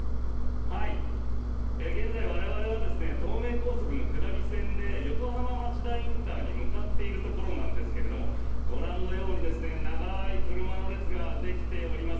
現在、我々は東名高速の下り線で横浜町田ＩＣに向かっているところなんですがご覧のように長い車の列ができております。